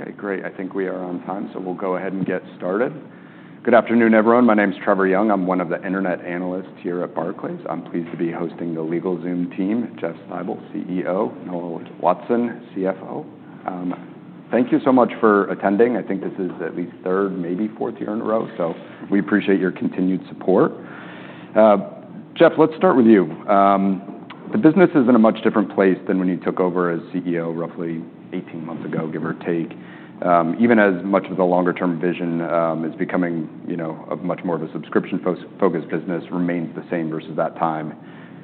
Okay, great. I think we are on time, so we'll go ahead and get started. Good afternoon, everyone. My name's Trevor Young. I'm one of the internet analysts here at Barclays. I'm pleased to be hosting the LegalZoom team. Jeff Stibel, CEO, Noel Watson, CFO. Thank you so much for attending. I think this is at least third, maybe fourth year in a row, so we appreciate your continued support. Jeff, let's start with you. The business is in a much different place than when you took over as CEO roughly 18 months ago, give or take. Even as much of the longer-term vision, is becoming, you know, a much more of a subscription-focused business, remains the same versus that time.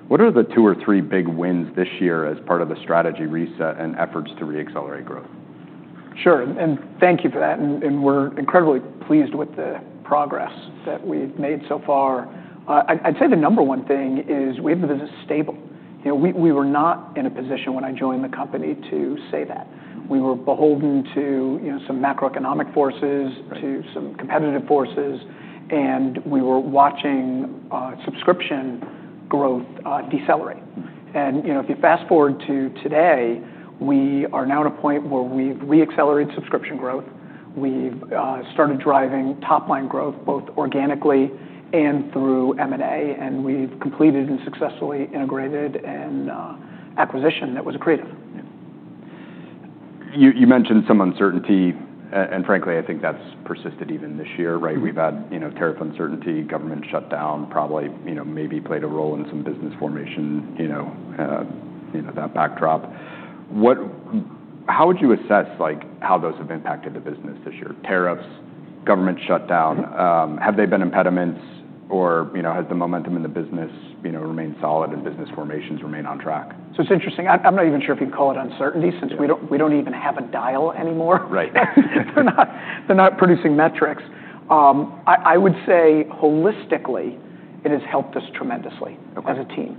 What are the two or three big wins this year as part of the strategy reset and efforts to re-accelerate growth? Sure, and thank you for that. We're incredibly pleased with the progress that we've made so far. I'd say the number one thing is we have the business stable. You know, we were not in a position when I joined the company to say that. We were beholden to, you know, some macroeconomic forces. Right. to some competitive forces. And we were watching subscription growth decelerate. Mm-hmm. You know, if you fast-forward to today, we are now at a point where we've re-accelerated subscription growth. We've started driving top-line growth both organically and through M&A, and we've completed and successfully integrated an acquisition that was accretive. Yeah. You mentioned some uncertainty, and frankly, I think that's persisted even this year, right? Mm-hmm. We've had, you know, tariff uncertainty, government shutdown, probably, you know, maybe played a role in some business formation, you know, that backdrop. What, how would you assess, like, how those have impacted the business this year? Tariffs, government shutdown, have they been impediments or, you know, has the momentum in the business, you know, remained solid and business formations remained on track? So it's interesting. I'm not even sure if you'd call it uncertainty since we don't. Right. We don't even have a dial anymore. Right. They're not producing metrics. I would say holistically, it has helped us tremendously. Okay. As a team,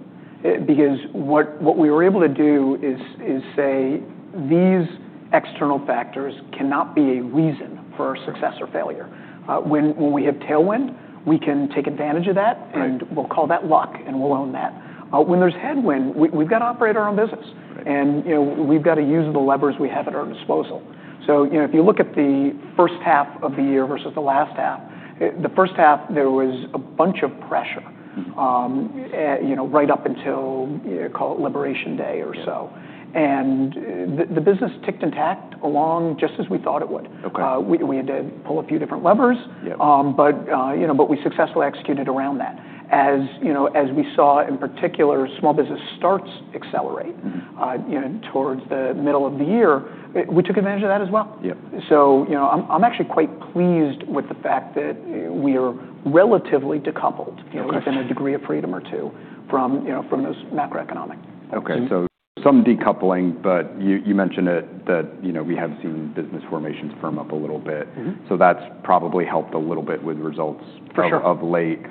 because what we were able to do is say these external factors cannot be a reason for success or failure. Mm-hmm. When we have tailwind, we can take advantage of that. Mm-hmm. And we'll call that luck and we'll own that. When there's headwind, we've gotta operate our own business. Right. You know, we've gotta use the levers we have at our disposal. You know, if you look at the first half of the year versus the last half, the first half, there was a bunch of pressure. Mm-hmm. You know, right up until, call it Liberation Day or so. Mm-hmm. The business ticked and tacked along just as we thought it would. Okay. We had to pull a few different levers. Yep. But, you know, but we successfully executed around that. As, you know, as we saw in particular, small business starts accelerate. Mm-hmm. You know, towards the middle of the year, we took advantage of that as well. Yep. So, you know, I'm actually quite pleased with the fact that we are relatively decoupled. Okay. You know, within a degree of freedom or two from, you know, from those macroeconomic factors. Okay. Some decoupling, but you mentioned that, you know, we have seen business formations firm up a little bit. Mm-hmm. That's probably helped a little bit with results. For sure. Of late.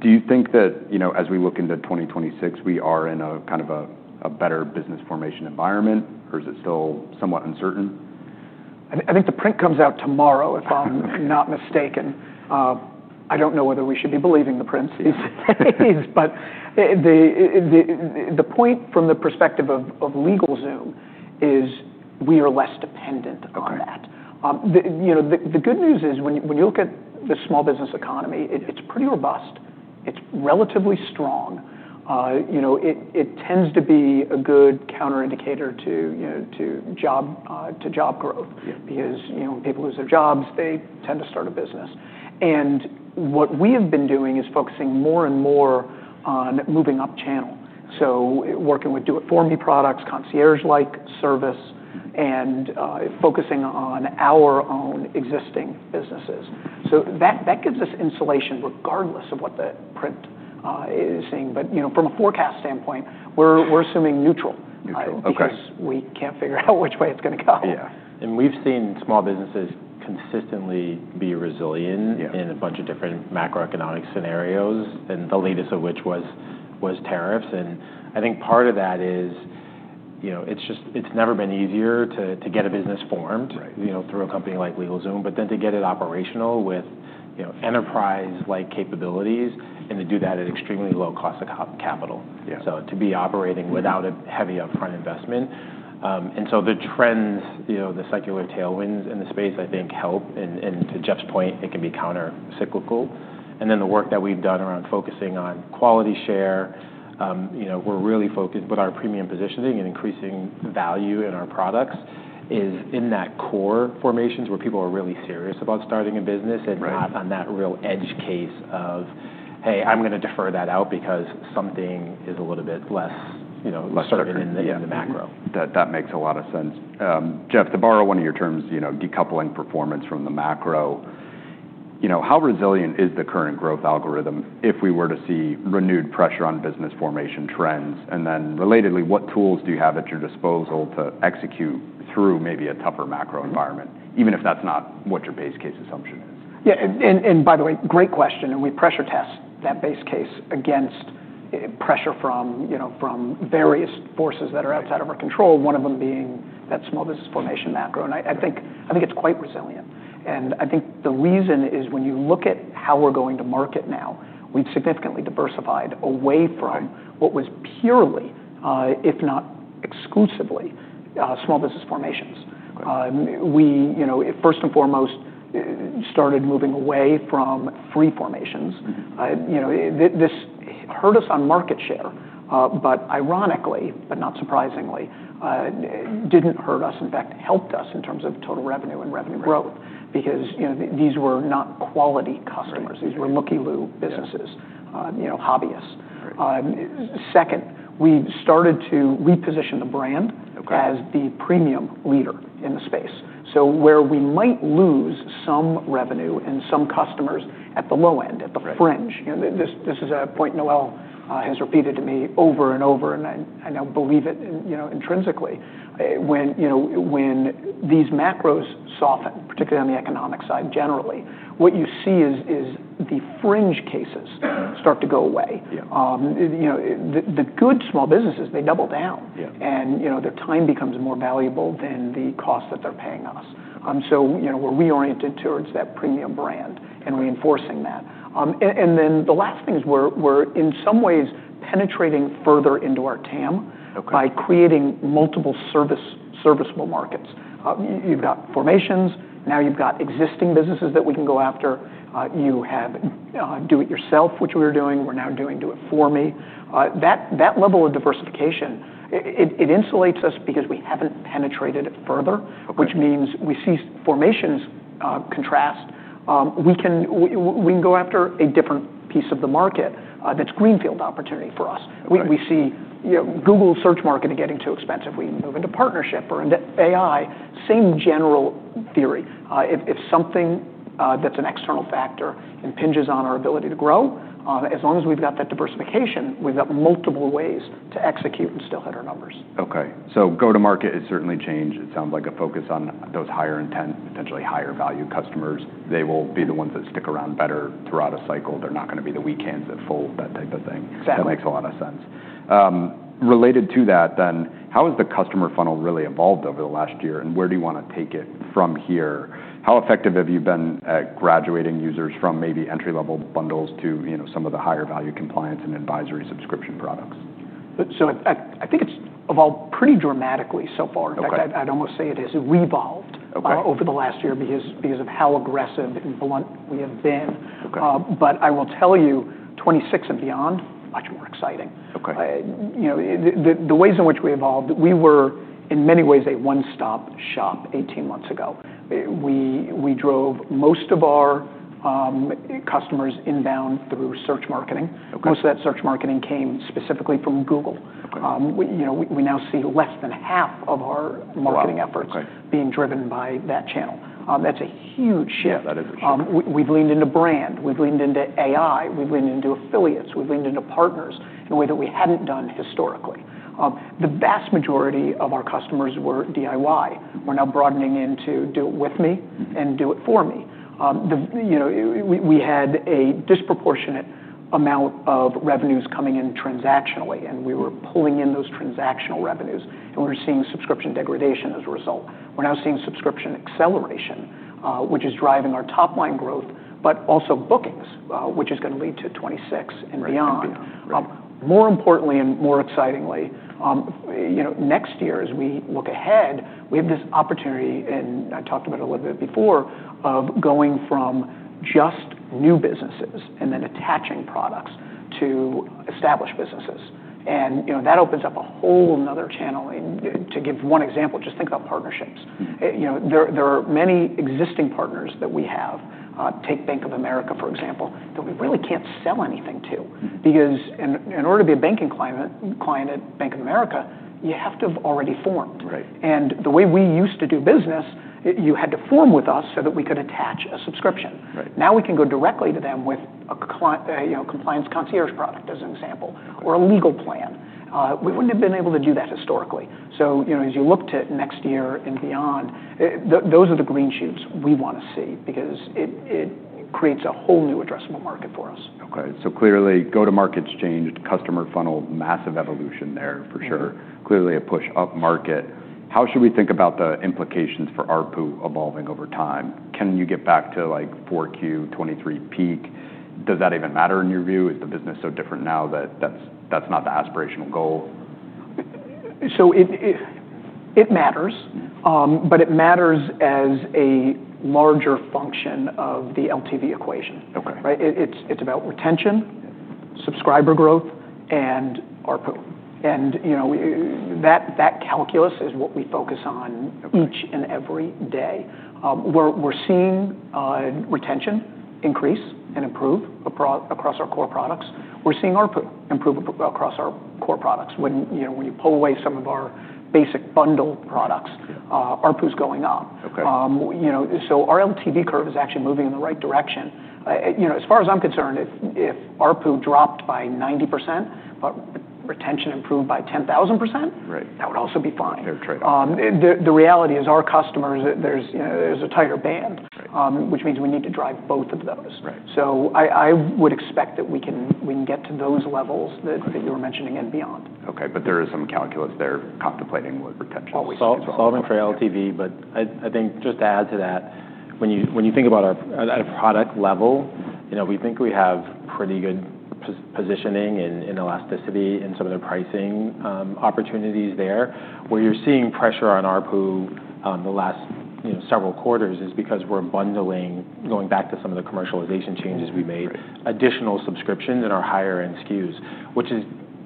Do you think that, you know, as we look into 2026, we are in a kind of a better business formation environment, or is it still somewhat uncertain? I think the print comes out tomorrow, if I'm not mistaken. I don't know whether we should be believing the prints these days, but the point from the perspective of LegalZoom is we are less dependent on that. Okay. You know, the good news is when you look at the small business economy, it's pretty robust. It's relatively strong. You know, it tends to be a good counterindicator to job growth. Yep. Because, you know, when people lose their jobs, they tend to start a business. And what we have been doing is focusing more and more on moving up channel. Mm-hmm. Working with Do-It-For-Me products, concierge-like service. Mm-hmm. Focusing on our own existing businesses. That gives us insulation regardless of what the print is saying. You know, from a forecast standpoint, we're assuming neutral. Neutral. Okay. because we can't figure out which way it's gonna go. Yeah, and we've seen small businesses consistently be resilient. Yeah. In a bunch of different macroeconomic scenarios, and the latest of which was tariffs. And I think part of that is, you know, it's just, it's never been easier to get a business formed. Right. You know, through a company like LegalZoom, but then to get it operational with, you know, enterprise-like capabilities and to do that at extremely low cost of capital. Yeah. So, to be operating without a heavy upfront investment, and so the trends, you know, the secular tailwinds in the space, I think, help. And to Jeff's point, it can be countercyclical. And then the work that we've done around focusing on quality share, you know, we're really focused with our premium positioning and increasing value in our products, is in that core formations where people are really serious about starting a business. Right. Not on that real edge case of, "Hey, I'm gonna defer that out because something is a little bit less, you know, less certain in the, in the macro. Less certain. That makes a lot of sense. Jeff, to borrow one of your terms, you know, decoupling performance from the macro, you know, how resilient is the current growth algorithm if we were to see renewed pressure on business formation trends? And then relatedly, what tools do you have at your disposal to execute through maybe a tougher macro environment, even if that's not what your base case assumption is? Yeah. And by the way, great question. And we pressure test that base case against pressure from, you know, various forces that are outside of our control, one of them being that small business formation macro. And I think it's quite resilient. And I think the reason is when you look at how we're going to market now, we've significantly diversified away from. Okay. What was purely, if not exclusively, small business formations. Okay. We, you know, first and foremost, started moving away from free formations. Mm-hmm. You know, this hurt us on market share, but ironically, but not surprisingly, didn't hurt us. In fact, helped us in terms of total revenue and revenue growth. Right. Because, you know, these were not quality customers. Right. These were looky-loo businesses. Right. You know, hobbyists. Right. Second, we've started to reposition the brand. Okay. As the premium leader in the space, so where we might lose some revenue and some customers at the low end, at the fringe. Right. You know, this is a point Noel has repeated to me over and over, and I now believe it, you know, intrinsically. When, you know, when these macros soften, particularly on the economic side generally, what you see is the fringe cases start to go away. Yeah. You know, the good small businesses, they double down. Yeah. And, you know, their time becomes more valuable than the cost that they're paying us. So, you know, we're reoriented towards that premium brand and reinforcing that. And then the last thing is we're in some ways penetrating further into our TAM. Okay. By creating multiple serviceable markets. You've got formations, now you've got existing businesses that we can go after. You have Do It Yourself, which we were doing, we're now doing Do-It-For-Me. That level of diversification, it insulates us because we haven't penetrated it further. Okay. Which means we see formations. In contrast, we can go after a different piece of the market, that's greenfield opportunity for us. Okay. We see, you know, Google search marketing getting too expensive. We move into partnership or into AI. Same general theory. If something, that's an external factor impinges on our ability to grow, as long as we've got that diversification, we've got multiple ways to execute and still hit our numbers. Okay. So go-to-market has certainly changed. It sounds like a focus on those higher intent, potentially higher value customers. They will be the ones that stick around better throughout a cycle. They're not gonna be the weekends that fold, that type of thing. Exactly. That makes a lot of sense. Related to that then, how has the customer funnel really evolved over the last year, and where do you wanna take it from here? How effective have you been at graduating users from maybe entry-level bundles to, you know, some of the higher value compliance and advisory subscription products? So I think it's evolved pretty dramatically so far. Okay. In fact, I'd almost say it has re-evolved. Okay. Over the last year because, because of how aggressive and blunt we have been. Okay. But I will tell you, 2026 and beyond, much more exciting. Okay. You know, the ways in which we evolved, we were in many ways a one-stop shop 18 months ago. We drove most of our customers inbound through search marketing. Okay. Most of that search marketing came specifically from Google. Okay. You know, we now see less than half of our marketing efforts. Okay. Being driven by that channel. That's a huge shift. Yeah, that is a shift. We, we've leaned into brand. We've leaned into AI. We've leaned into affiliates. We've leaned into partners in a way that we hadn't done historically. The vast majority of our customers were DIY. We're now broadening into Do-It-With-Me and Do-It-For-Me. You know, we had a disproportionate amount of revenues coming in transactionally, and we were pulling in those transactional revenues, and we were seeing subscription degradation as a result. We're now seeing subscription acceleration, which is driving our top-line growth, but also bookings, which is gonna lead to 2026 and beyond. Right. More importantly and more excitingly, you know, next year as we look ahead, we have this opportunity, and I talked about it a little bit before, of going from just new businesses and then attaching products to established businesses. And, you know, that opens up a whole nother channel. And, to give one example, just think about partnerships. Mm-hmm. You know, there are many existing partners that we have. Take Bank of America, for example, that we really can't sell anything to. Mm-hmm. Because in order to be a banking client at Bank of America, you have to have already formed. Right. The way we used to do business, you had to form with us so that we could attach a subscription. Right. Now we can go directly to them with a click, you know, Compliance Concierge product as an example. Okay. Or a Legal Plan. We wouldn't have been able to do that historically. So, you know, as you look to next year and beyond, those are the green shoots we wanna see because it creates a whole new addressable market for us. Okay, so clearly, go-to-market's changed, customer funnel, massive evolution there for sure. Mm-hmm. Clearly a push-up market. How should we think about the implications for ARPU evolving over time? Can you get back to like 4Q, 2023 peak? Does that even matter in your view? Is the business so different now that that's not the aspirational goal? So it matters. Mm-hmm. but it matters as a larger function of the LTV equation. Okay. Right? It's about retention, subscriber growth, and ARPU. You know, that calculus is what we focus on. Okay. Each and every day, we're seeing retention increase and improve across our core products. We're seeing ARPU improve across our core products. When you know, when you pull away some of our basic bundle products. Yeah. ARPU's going up. Okay. You know, so our LTV curve is actually moving in the right direction. You know, as far as I'm concerned, if ARPU dropped by 90%, but retention improved by 10,000%. Right. That would also be fine. Fair trade. The reality is our customers. You know, there's a tighter band. Right. which means we need to drive both of those. Right. I would expect that we can get to those levels that you were mentioning and beyond. Okay. But there is some calculus there contemplating what retention is as well. Solving for LTV, but I think just to add to that, when you think about our at a product level, you know, we think we have pretty good positioning and elasticity in some of the pricing opportunities there. Where you're seeing pressure on ARPU, the last you know several quarters is because we're bundling, going back to some of the commercialization changes we made. Right. Additional subscriptions in our higher-end SKUs, which is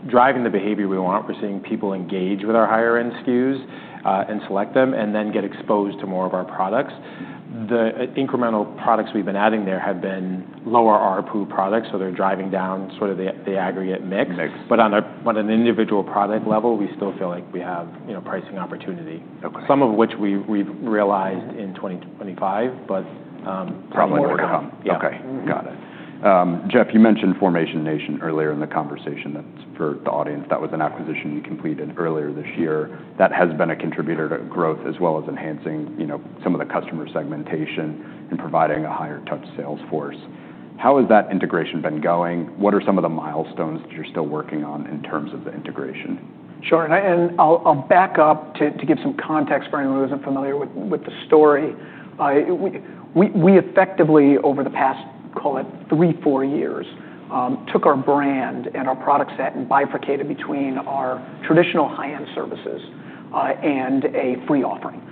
driving the behavior we want. We're seeing people engage with our higher-end SKUs, and select them and then get exposed to more of our products. The incremental products we've been adding there have been lower ARPU products, so they're driving down sort of the aggregate mix. Mix. But on an individual product level, we still feel like we have, you know, pricing opportunity. Okay. Some of which we've realized in 2025, but probably more to come. Probably more to come. Yeah. Okay. Got it. Jeff, you mentioned Formation Nation earlier in the conversation. That's for the audience. That was an acquisition you completed earlier this year. That has been a contributor to growth as well as enhancing, you know, some of the customer segmentation and providing a higher-touch sales force. How has that integration been going? What are some of the milestones that you're still working on in terms of the integration? Sure. And I'll back up to give some context for anyone who isn't familiar with the story. We effectively over the past, call it three, four years, took our brand and our product set and bifurcated between our traditional high-end services, and a free offering,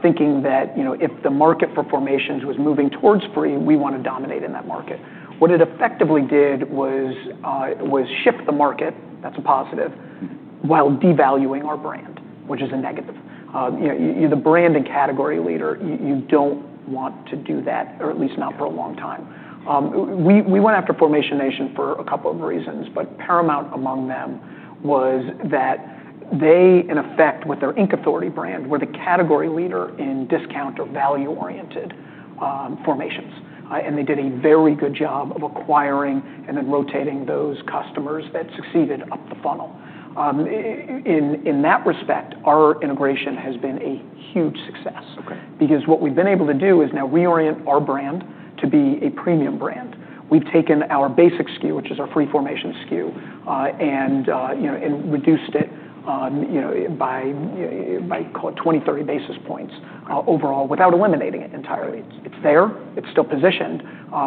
thinking that, you know, if the market for formations was moving towards free, we wanna dominate in that market. What it effectively did was shift the market. That's a positive. Mm-hmm. While devaluing our brand, which is a negative. You know, you're the brand and category leader. You don't want to do that, or at least not for a long time. We went after Formation Nation for a couple of reasons, but paramount among them was that they, in effect, with their IncAuthority brand, were the category leader in discount or value-oriented formations, and they did a very good job of acquiring and then rotating those customers that succeeded up the funnel. In that respect, our integration has been a huge success. Okay. Because what we've been able to do is now reorient our brand to be a premium brand. We've taken our basic SKU, which is our free formation SKU, and, you know, reduced it, you know, by, call it 20-30 basis points, overall without eliminating it entirely. It's there. It's still positioned.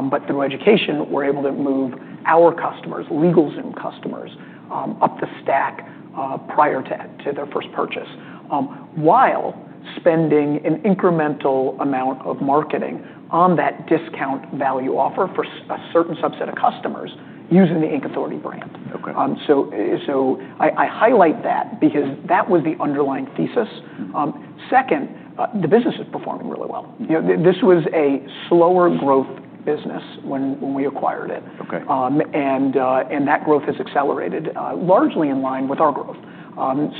But through education, we're able to move our customers, LegalZoom customers, up the stack, prior to their first purchase, while spending an incremental amount of marketing on that discount value offer for a certain subset of customers using the IncAuthority brand. Okay. So, I highlight that because that was the underlying thesis. Mm-hmm. Second, the business is performing really well. You know, this was a slower growth business when we acquired it. Okay. And that growth has accelerated, largely in line with our growth.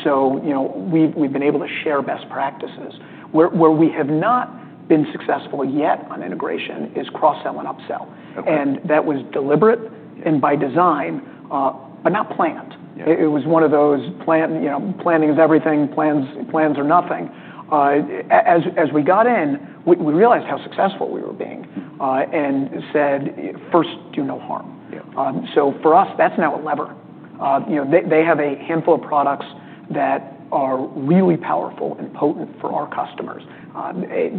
So, you know, we've been able to share best practices. Where we have not been successful yet on integration is cross-sell and upsell. Okay. And that was deliberate and by design, but not planned. Yeah. It was one of those plans, you know. Planning is everything. Plans, plans are nothing. As we got in, we realized how successful we were being. Mm-hmm. and said, "First, do no harm. Yeah. For us, that's now a lever. You know, they have a handful of products that are really powerful and potent for our customers.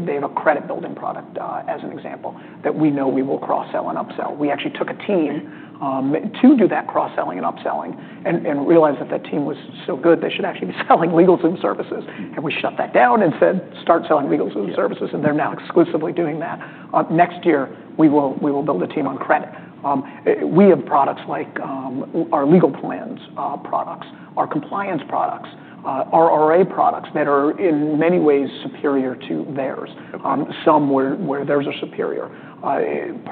They have a credit-building product, as an example, that we know we will cross-sell and upsell. We actually took a team to do that cross-selling and upselling and realized that team was so good they should actually be selling LegalZoom services. Mm-hmm. And we shut that down and said, "Start selling LegalZoom services. Mm-hmm. They're now exclusively doing that. Next year, we will build a team on credit. We have products like our Legal Plans products, our Compliance products, our RA products that are in many ways superior to theirs. Okay. Somewhere where theirs are superior.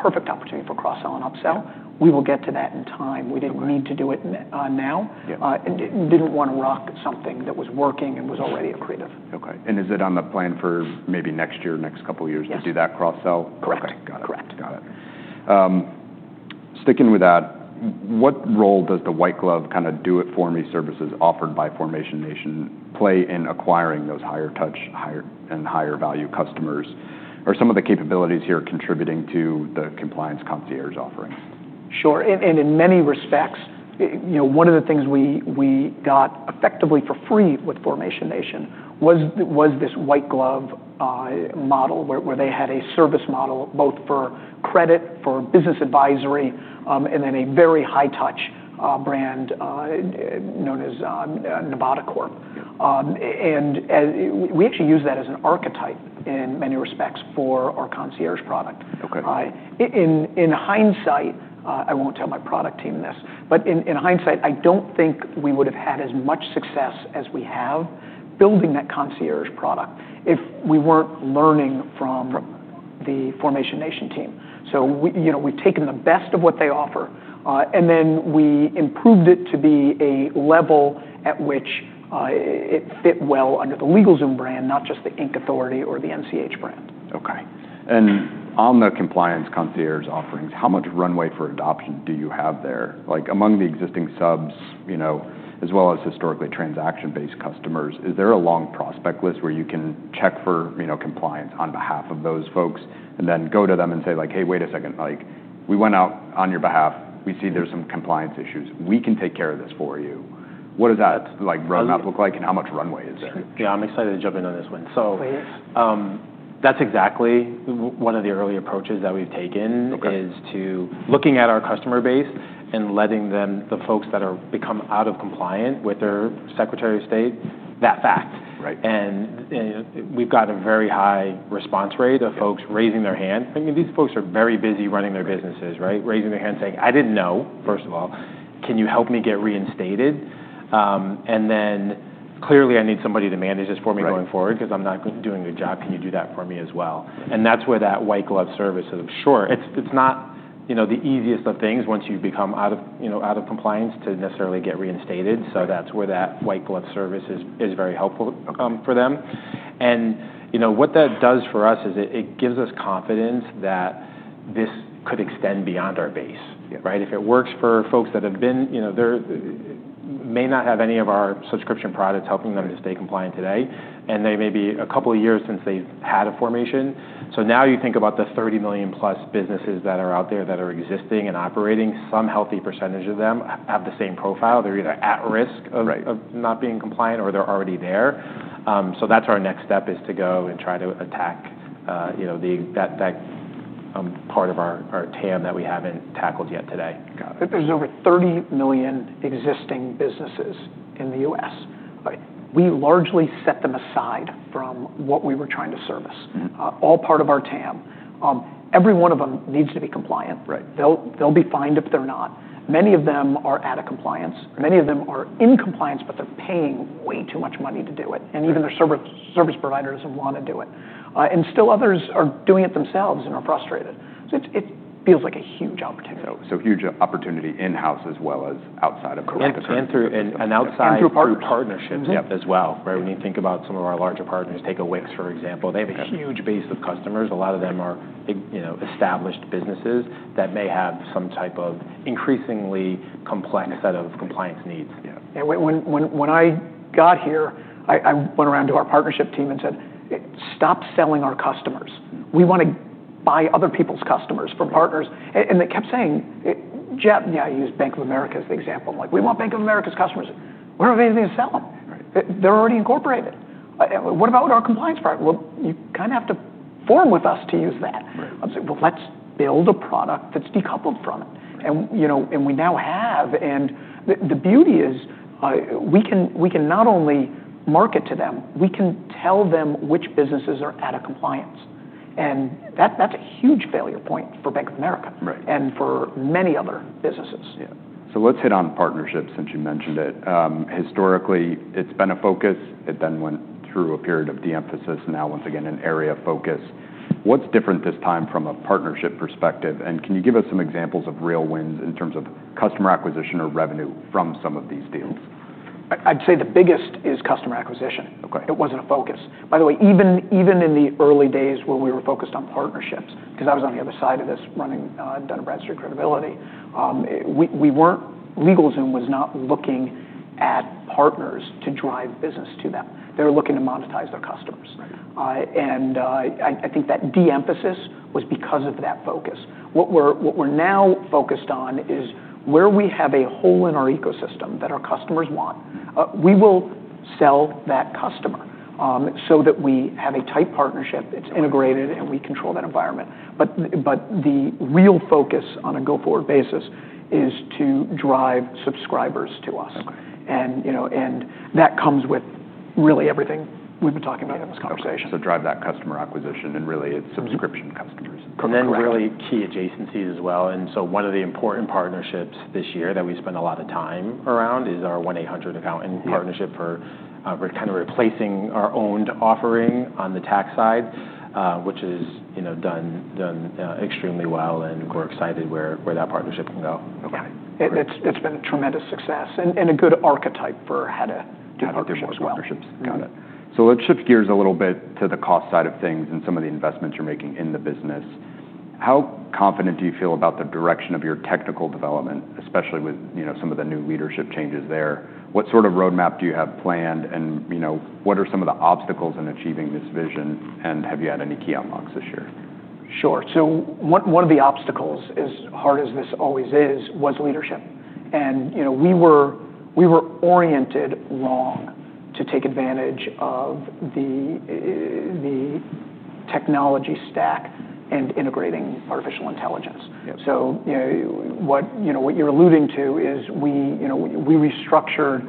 Perfect opportunity for cross-sell and upsell. We will get to that in time. Okay. We didn't need to do it and now. Yeah. and didn't wanna rock something that was working and was already accretive. Okay. And is it on the plan for maybe next year, next couple of years to do that cross-sell? Yes. Correct. Okay. Got it. Correct. Got it. Sticking with that, what role does the white glove kinda Do-It-For-Me services offered by Formation Nation play in acquiring those higher-touch, higher and higher value customers? Are some of the capabilities here contributing to the Compliance Concierge offering? Sure. In many respects, you know, one of the things we got effectively for free with Formation Nation was this white glove model where they had a service model both for credit, for business advisory, and then a very high-touch brand known as Nevada Corp. Yeah. and as we actually use that as an archetype in many respects for our concierge product. Okay. In hindsight, I won't tell my product team this, but in hindsight, I don't think we would've had as much success as we have building that concierge product if we weren't learning from. From. The Formation Nation team. So we, you know, we've taken the best of what they offer, and then we improved it to be a level at which it fit well under the LegalZoom brand, not just the IncAuthority or the NCH brand. Okay. And on the Compliance Concierge offerings, how much runway for adoption do you have there? Like, among the existing subs, you know, as well as historically transaction-based customers, is there a long prospect list where you can check for, you know, compliance on behalf of those folks and then go to them and say, like, "Hey, wait a second. Like, we went out on your behalf. We see there's some compliance issues. We can take care of this for you." What does that, like, roadmap look like and how much runway is there? Yeah. I'm excited to jump in on this one. So. Please. That's exactly what one of the early approaches that we've taken. Okay. is looking at our customer base and letting them, the folks that are becoming out of compliance with their secretary of state, that fact. Right. And we've got a very high response rate of folks raising their hand. I mean, these folks are very busy running their businesses, right, raising their hand saying, "I didn't know, first of all. Can you help me get reinstated?" and then, "Clearly, I need somebody to manage this for me going forward. Right. “Because I’m not doing a good job. Can you do that for me as well?” And that’s where that white glove service of, “Sure. It’s, it’s not, you know, the easiest of things once you become out of, you know, out of compliance to necessarily get reinstated.” Mm-hmm. So that's where that white-glove service is very helpful. Okay. for them. And, you know, what that does for us is it gives us confidence that this could extend beyond our base. Yeah. Right? If it works for folks that have been, you know, they may not have any of our subscription products helping them to stay compliant today, and they may be a couple of years since they've had a formation. So now you think about the 30 million-plus businesses that are out there that are existing and operating. Some healthy percentage of them have the same profile. They're either at risk of. Right. Of not being compliant or they're already there. So that's our next step is to go and try to attack, you know, the existing part of our TAM that we haven't tackled yet today. Got it. There's over 30 million existing businesses in the U.S. We largely set them aside from what we were trying to service. Mm-hmm. All part of our TAM. Every one of them needs to be compliant. Right. They'll be fined if they're not. Many of them are out of compliance. Many of them are in compliance, but they're paying way too much money to do it. Mm-hmm. And even their service provider doesn't wanna do it. And still others are doing it themselves and are frustrated. So it's, it feels like a huge opportunity. So, huge opportunity in-house as well as outside of. Correct. The company. And through, and outside. Through partnerships. And through partnerships. Yep. As well, right? When you think about some of our larger partners, take a Wix, for example. Okay. They have a huge base of customers. A lot of them are, you know, established businesses that may have some type of increasingly complex set of compliance needs. Yeah. When I got here, I went around to our partnership team and said, "Stop selling our customers. We wanna buy other people's customers from partners." And they kept saying, "Jeff, yeah. I use Bank of America as the example." I'm like, "We want Bank of America's customers. We don't have anything to sell them. Right. They're already incorporated. What about our compliance part?" "Well, you kinda have to form with us to use that. Right. I said, "Well, let's build a product that's decoupled from it. Right. You know, we now have. The beauty is, we can not only market to them, we can tell them which businesses are out of compliance. That's a huge failure point for Bank of America. Right. For many other businesses. Yeah. So let's hit on partnerships since you mentioned it. Historically, it's been a focus. It then went through a period of de-emphasis. Now, once again, an area of focus. What's different this time from a partnership perspective? And can you give us some examples of real wins in terms of customer acquisition or revenue from some of these deals? I'd say the biggest is customer acquisition. Okay. It wasn't a focus. By the way, even in the early days when we were focused on partnerships, because I was on the other side of this running Dun & Bradstreet Credibility, we weren't. LegalZoom was not looking at partners to drive business to them. They were looking to monetize their customers. Right. I think that de-emphasis was because of that focus. What we're now focused on is where we have a hole in our ecosystem that our customers want. Mm-hmm. We will sell that customer, so that we have a tight partnership. It's integrated and we control that environment. But, the real focus on a go-forward basis is to drive subscribers to us. Okay. You know, and that comes with really everything we've been talking about in this conversation. Yeah. So drive that customer acquisition and really it's subscription customers. Correct. Correct. And then really key adjacencies as well. And so one of the important partnerships this year that we spend a lot of time around is our 1-800Accountant partnership. Yeah. We're kinda replacing our owned offering on the tax side, which is, you know, done extremely well. And we're excited where that partnership can go. Okay. It's been a tremendous success and a good archetype for how to do. How to do more partnerships. As well. Got it. So let's shift gears a little bit to the cost side of things and some of the investments you're making in the business. How confident do you feel about the direction of your technical development, especially with, you know, some of the new leadership changes there? What sort of roadmap do you have planned? And, you know, what are some of the obstacles in achieving this vision? And have you had any key unlocks this year? Sure. One of the obstacles, as hard as this always is, was leadership. You know, we were oriented wrong to take advantage of the technology stack and integrating artificial intelligence. Yeah. You know, what you're alluding to is we, you know, we restructured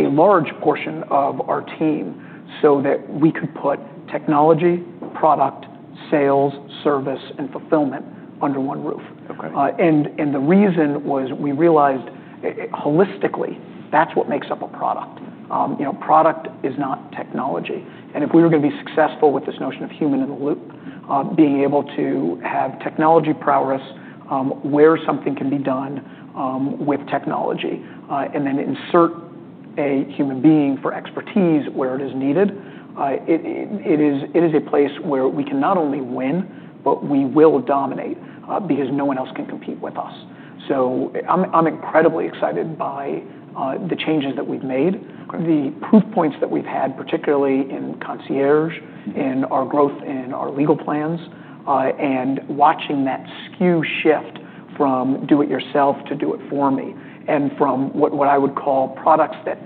a large portion of our team so that we could put technology, product, sales, service, and fulfillment under one roof. Okay. The reason was we realized, holistically, that's what makes up a product. You know, product is not technology. If we were gonna be successful with this notion of human in the loop, being able to have technology prowess, where something can be done with technology, and then insert a human being for expertise where it is needed, it is a place where we can not only win, but we will dominate, because no one else can compete with us. I'm incredibly excited by the changes that we've made. Okay. The proof points that we've had, particularly in concierge, in our growth, in our Legal Plans, and watching that skew shift from do-it-yourself to do-it-for-me and from what I would call products that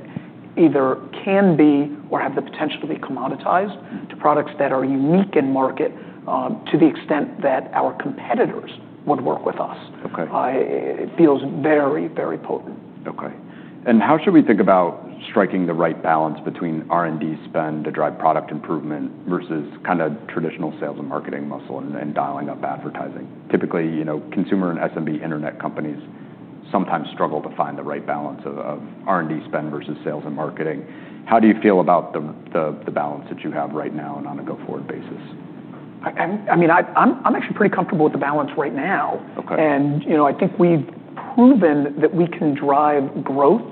either can be or have the potential to be commoditized to products that are unique in market, to the extent that our competitors would work with us. Okay. It feels very, very potent. Okay. And how should we think about striking the right balance between R&D spend to drive product improvement versus kinda traditional sales and marketing muscle and dialing up advertising? Typically, you know, consumer and SMB internet companies sometimes struggle to find the right balance of R&D spend versus sales and marketing. How do you feel about the balance that you have right now and on a go-forward basis? I mean, I'm actually pretty comfortable with the balance right now. Okay. You know, I think we've proven that we can drive growth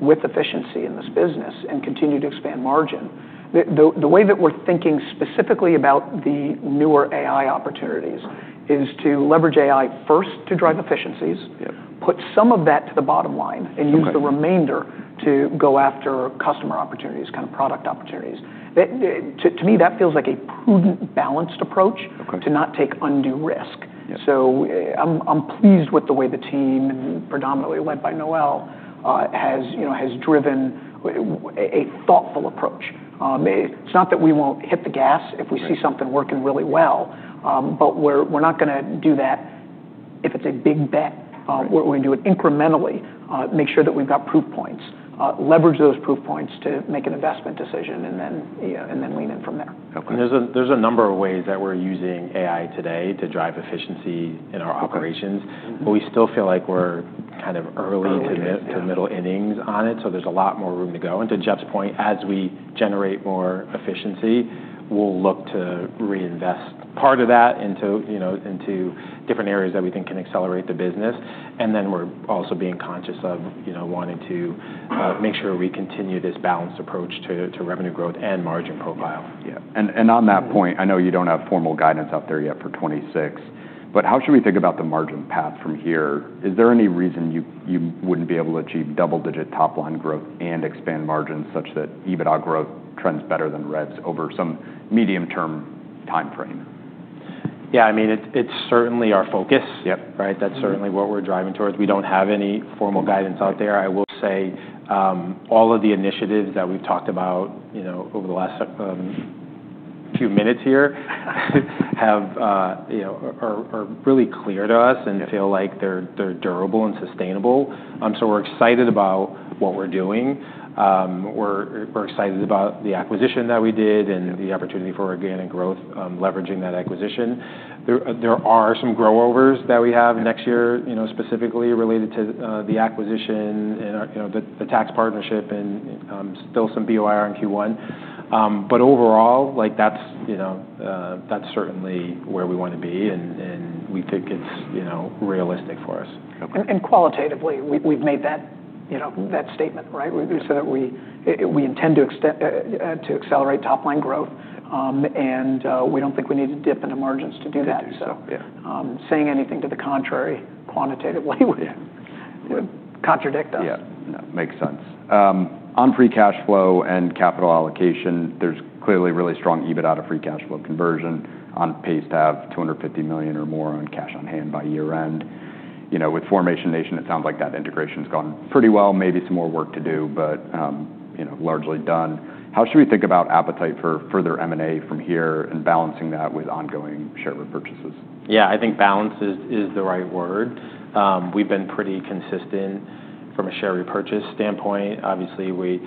with efficiency in this business and continue to expand margin. The way that we're thinking specifically about the newer AI opportunities is to leverage AI first to drive efficiencies. Yep. Put some of that to the bottom line and use. Okay. The remainder to go after customer opportunities, kinda product opportunities. That, to me, that feels like a prudent, balanced approach. Okay. To not take undue risk. Yeah. So, I'm pleased with the way the team, predominantly led by Noel, has you know driven a thoughtful approach. It's not that we won't hit the gas if we see something working really well, but we're not gonna do that if it's a big bet. Okay. We're gonna do it incrementally, make sure that we've got proof points, leverage those proof points to make an investment decision and then, you know, and then lean in from there. Okay. And there's a number of ways that we're using AI today to drive efficiency in our operations. Mm-hmm. But we still feel like we're kind of early to mid. We're still. To middle innings on it. So there's a lot more room to go. And to Jeff's point, as we generate more efficiency, we'll look to reinvest part of that into, you know, into different areas that we think can accelerate the business. And then we're also being conscious of, you know, wanting to make sure we continue this balanced approach to revenue growth and margin profile. Yeah. And on that point, I know you don't have formal guidance out there yet for 2026, but how should we think about the margin path from here? Is there any reason you wouldn't be able to achieve double-digit top-line growth and expand margins such that EBITDA growth trends better than revs over some medium-term timeframe? Yeah. I mean, it's certainly our focus. Yep. Right? That's certainly what we're driving towards. We don't have any formal guidance out there. I will say, all of the initiatives that we've talked about, you know, over the last few minutes here have, you know, are really clear to us and feel like they're durable and sustainable, so we're excited about what we're doing. We're excited about the acquisition that we did and the opportunity for organic growth, leveraging that acquisition. There are some overhangs that we have next year, you know, specifically related to the acquisition and our, you know, the tax partnership and still some BOIR and Q1, but overall, like, that's, you know, that's certainly where we wanna be, and we think it's, you know, realistic for us. Okay. Qualitatively, we've made that, you know, that statement, right? We said that we intend to extend, to accelerate top-line growth. We don't think we need to dip into margins to do that. To do so. Yeah. Saying anything to the contrary quantitatively would contradict us. Yeah. No. Makes sense. On free cash flow and capital allocation, there's clearly really strong EBITDA out of free cash flow conversion. On pace to have $250 million or more in cash on hand by year-end. You know, with Formation Nation, it sounds like that integration's gone pretty well. Maybe some more work to do, but, you know, largely done. How should we think about appetite for further M&A from here and balancing that with ongoing share repurchases? Yeah. I think balance is the right word. We've been pretty consistent from a share repurchase standpoint. Obviously, we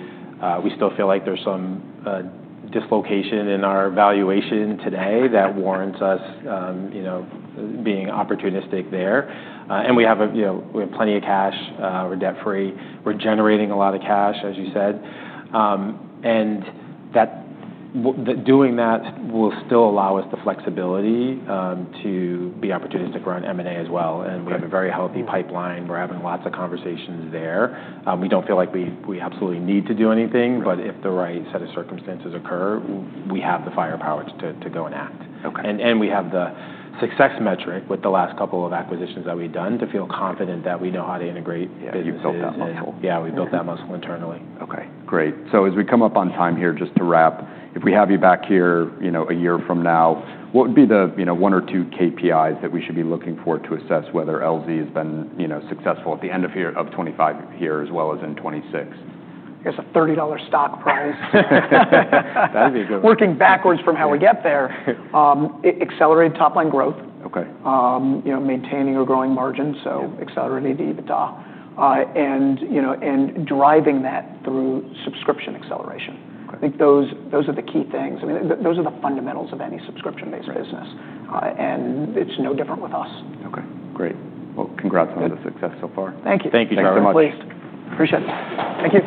still feel like there's some dislocation in our valuation today that warrants us, you know, being opportunistic there. And we have, you know, plenty of cash. We're debt-free. We're generating a lot of cash, as you said. And that with the doing that will still allow us the flexibility to be opportunistic around M&A as well. And we have a very healthy pipeline. We're having lots of conversations there. We don't feel like we absolutely need to do anything. Okay. But if the right set of circumstances occur, we have the firepower to go and act. Okay. We have the success metric with the last couple of acquisitions that we've done to feel confident that we know how to integrate businesses. Yeah. You built that muscle. Yeah. We built that muscle internally. Okay. Great. So as we come up on time here, just to wrap, if we have you back here, you know, a year from now, what would be the, you know, one or two KPIs that we should be looking for to assess whether LZ has been, you know, successful at the end of here of 2025 here as well as in 2026? I guess a $30 stock price. That'd be a good one. Working backwards from how we get there, I accelerated top-line growth. Okay. You know, maintaining or growing margins. Yep. Accelerated EBITDA, and you know, driving that through subscription acceleration. Okay. I think those are the key things. I mean, those are the fundamentals of any subscription-based business. Right. and it's no different with us. Okay. Great. Well, congrats on the success so far. Thank you. Thank you very much. Thanks for the pleasure. Appreciate it. Thank you.